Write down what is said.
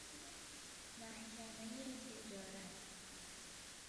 محکمۀ تجارت